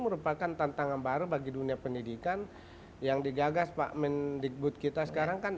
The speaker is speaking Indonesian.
merupakan tantangan baru bagi dunia pendidikan yang digagas pak mendikbud kita sekarang kan